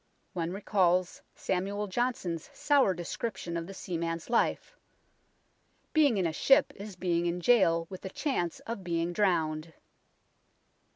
One recalls Samuel Johnson's sour description of a seaman's life " being in a ship is being in jail with the chance of being drowned."